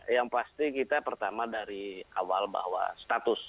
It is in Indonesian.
yang pasti kita pertama dari awal bahwa status